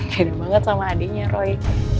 hedo banget sama adiknya roy